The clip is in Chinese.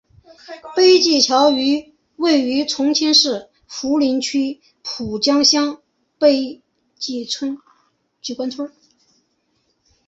碑记桥位于重庆市涪陵区蒲江乡碑记关村。